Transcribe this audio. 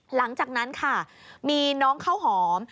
หลังจากนั้นค่ะมีน้องข้าวหอม